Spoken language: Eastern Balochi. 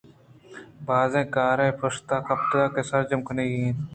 بازیں کارے پشت کپتگ کہ سرجم کنگی اَنت